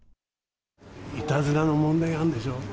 いたずらの問題があるんでしょ。